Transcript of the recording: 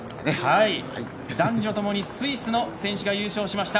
男女ともにスイスの選手が優勝しました。